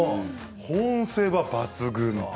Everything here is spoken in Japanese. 保温性は抜群と。